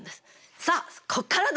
さあここからだ！